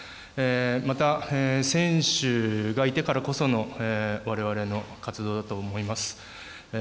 また、選手がいてからこそのわれわれの活動だと思います。